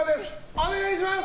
お願いします！